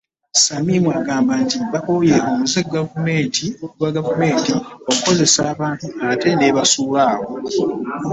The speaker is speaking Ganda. Shamim agamba nti bakooye omuze gwa Gavumenti ogw'okukozesa abantu ate n'ebasuulawo